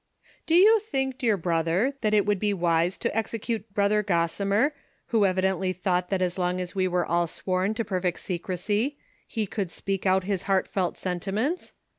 "Do you think, dear brother, that it would be wise to execute Brother Gossimer, who evidently thought that as long as we are all sworn to perfect secresy, he could speak out his heartfelt sentiments